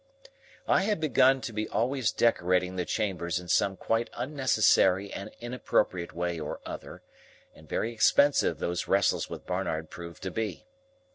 I had begun to be always decorating the chambers in some quite unnecessary and inappropriate way or other, and very expensive those wrestles with Barnard proved to be.